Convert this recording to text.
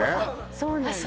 そうなんです